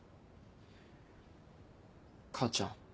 母ちゃん。